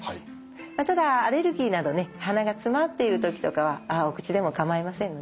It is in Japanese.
ただアレルギーなどね鼻が詰まっている時とかはお口でも構いませんのでね。